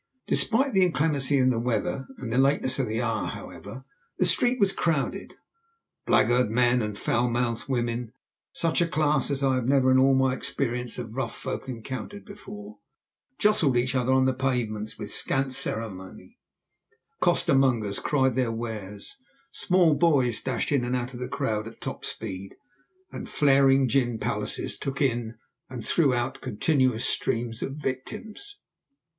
Despite the inclemency of the weather and the lateness of the hour, however, the street was crowded; blackguard men and foul mouthed women, such a class as I had never in all my experience of rough folk encountered before, jostled each other on the pavements with scant ceremony; costermongers cried their wares, small boys dashed in and out of the crowd at top speed, and flaring gin palaces took in and threw out continuous streams of victims.